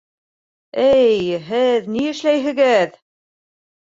— Эй, һеҙ ни эшләйһегеҙ!